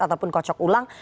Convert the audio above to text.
ataupun kocok ulang